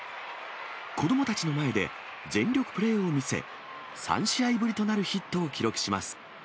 子どもたちの前で、全力プレーを見せ、３試合ぶりとなるヒットを記録します。